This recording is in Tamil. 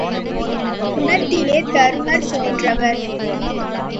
குணத்திலே தருமர் போன்றவர்.